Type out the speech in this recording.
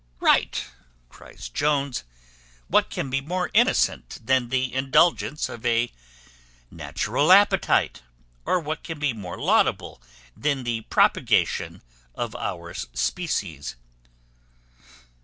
"Right!" cries Jones: "what can be more innocent than the indulgence of a natural appetite? or what more laudable than the propagation of our species?"